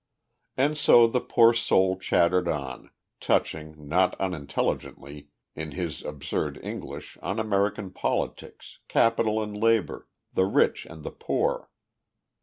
And so the poor soul chattered on, touching, not unintelligently, in his absurd English, on American politics, capital and labour, the rich and the poor.